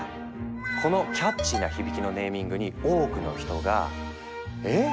このキャッチーな響きのネーミングに多くの人が「えっ？